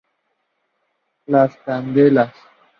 Las Candelas.